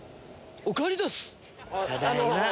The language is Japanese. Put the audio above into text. ただいま！